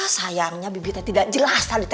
sayangnya bibi teh tidak jelas tali